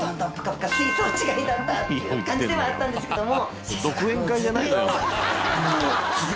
いう感じではあったんですけども。